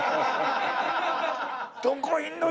「どこいんの？」